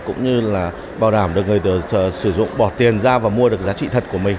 cũng như là bảo đảm được người sử dụng bỏ tiền ra và mua được giá trị thật của mình